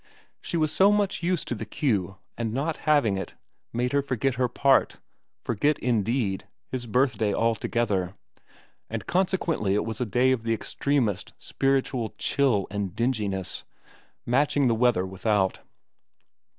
She was so much used to the cue that not having it made her forget her part, forget, indeed, his birthday altogether ; and consequently it was a day of the extremest spiritual chill and dinginess, match ing the weather without.